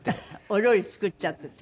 お料理作っちゃってて？